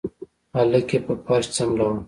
هلک يې په فرش سملوه.